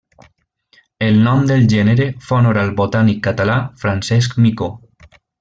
El nom del gènere fa honor al botànic català Francesc Micó.